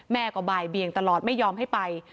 แม่ก็บ่ายเบียงตลอดไม่ยอมให้ไป